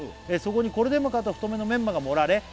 「そこにこれでもかと太めのメンマが盛られ」